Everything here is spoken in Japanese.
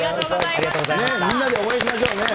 みんなで応援しましょうね。